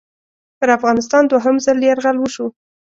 پر افغانستان دوهم ځل یرغل وشو.